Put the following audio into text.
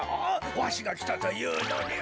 わしがきたというのに。